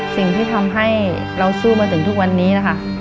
สิ่งที่ทำให้เราสู้มาถึงทุกวันนี้นะคะ